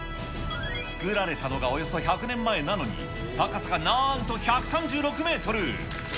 作られたのがおよそ１００年前なのに、高さがなーんと１３６メートル。